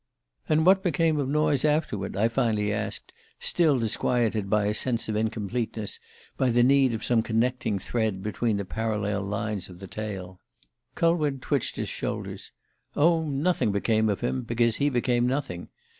"And what became of Noyes afterward?" I finally asked, still disquieted by a sense of incompleteness, by the need of some connecting thread between the parallel lines of the tale. Culwin twitched his shoulders. "Oh, nothing became of him because he became nothing.